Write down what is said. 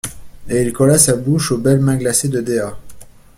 Et il colla sa bouche aux belles mains glacées de Dea.